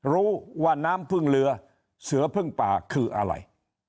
รู้ว่าน้ำพึ่งเรือเสือพึ่งป่าคืออะไร